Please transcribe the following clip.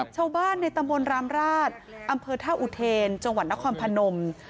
ชาวบ้านในตำบลรามราชอำเภอท่าอุเทนจังหวัดนครพนม